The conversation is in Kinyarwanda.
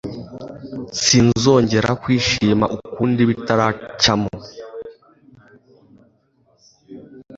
Sinzongera kwishima ukundi bitara cyamo.